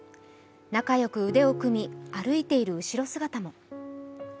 仲良く腕を組み歩いている後ろ姿も。